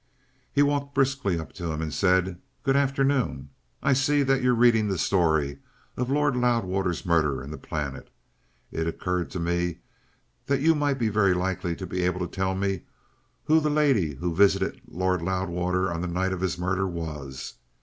He walked briskly up to him and said: "Good afternoon. I see that you're reading the story of Lord Loudwater's murder in the Planet. It occurred to me that you might very likely be able to tell me who the lady who visited Lord Loudwater on the night of his murder was.